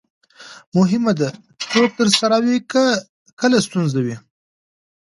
مهمه ده، څوک درسره وي کله ستونزه وي.